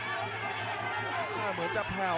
เหมือนจะแผ่ว